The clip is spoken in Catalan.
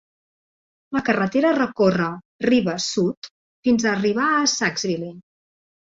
La carretera recorre riba sud fins arribar a Saxilby.